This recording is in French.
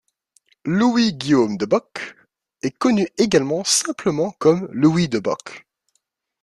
Louis-Guillaume Debock est connu également simplement comme Louis Debock.